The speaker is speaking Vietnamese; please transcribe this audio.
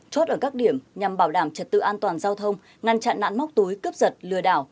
chốt ở các điểm nhằm bảo đảm trật tự an toàn giao thông ngăn chặn nạn móc túi cướp giật lừa đảo